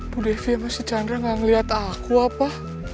bu devi sama si chandra gak ngeliat aku apa